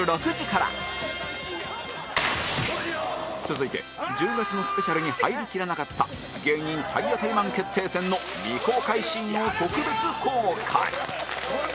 続いて１０月のスペシャルに入りきらなかった芸人体当たりマン決定戦の未公開シーンを特別公開